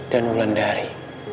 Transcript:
dan ulang dari